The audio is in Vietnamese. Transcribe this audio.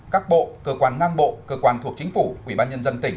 các bộ cơ quan ngang bộ cơ quan thuộc chính phủ quỹ ban nhân dân tỉnh